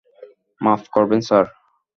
মাফ করবেন, স্যার?